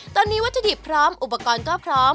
ตอนนี้วัตถุดิบพร้อมอุปกรณ์ก็พร้อม